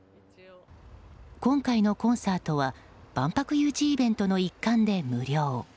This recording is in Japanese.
今回のコンサートは万博誘致イベントの一環で無料。